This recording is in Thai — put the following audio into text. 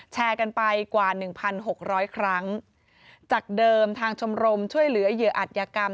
แชร์กันไปกว่าหนึ่งพันหกร้อยครั้งจากเดิมทางชมรมช่วยเหลือเหยื่ออัตยกรรม